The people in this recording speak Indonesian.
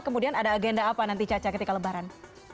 kemudian ada agenda apa nanti caca ketika lebaran